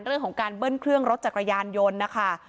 เรื่องของการเบิ้ลเครื่องรถจักรยานยนต์นะคะ